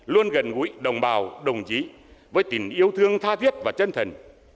luôn gần gũi đồng bào đồng chí với tình yêu thương tha thiết và chân thần